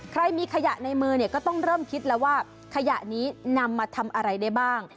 ใครมีขยะในมือเนี่ยก็ต้องเริ่มคิดแล้วว่าขยะนี้นำมาทำอะไรได้บ้าง